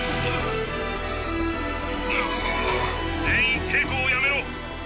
「全員抵抗をやめろ。